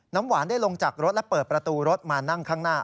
น้ำหวานได้ลงจากรถและเปิดประตูรถมานั่งข้างหน้า